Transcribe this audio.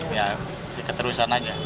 ya jika terus